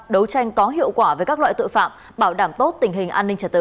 đấu tranh có hiệu quả với các loại tội phạm bảo đảm tốt tình hình an ninh trật tự